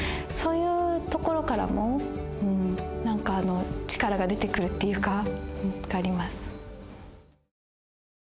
そういうところからも何か力が出てくるっていうか。